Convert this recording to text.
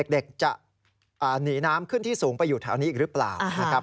เด็กจะหนีน้ำขึ้นที่สูงไปอยู่แถวนี้อีกหรือเปล่านะครับ